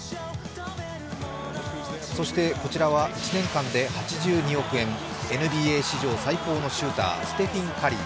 そしてこちらは１年間で８２億円、ＮＢＡ史上最高のシューター、ステフィン・カリー。